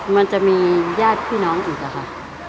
ไม่ทรยาดพี่น้องกัน